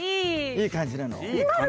いい感じなの？